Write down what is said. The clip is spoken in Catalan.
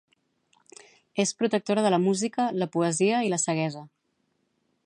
És protectora de la música, la poesia i la ceguesa.